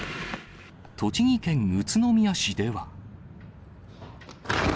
栃木県宇都宮市では。